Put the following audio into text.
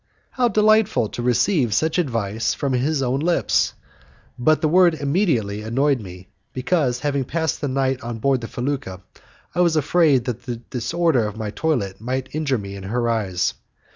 How delightful to receive such advice from his own lips! But the word "immediately" annoyed me, because, having passed the night on board the felucca, I was afraid that the disorder of my toilet might injure me in her eyes.